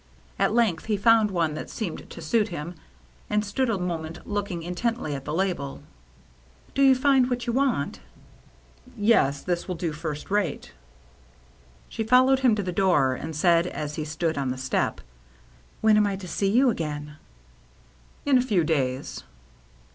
At length he found one that seemed to suit him, and stood a moment looking intently at the label. " Do you find what you want ?"" Yes, this will do first rate." She followed him to the door, and said, as he stood on the step, " When am I to see you agam r i64 THE MERRr JNNE " In a few days."